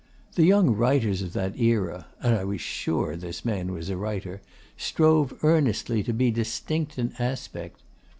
The young writers of that era and I was sure this man was a writer strove earnestly to be distinct in aspect.